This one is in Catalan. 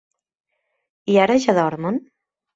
I ara ja dormen?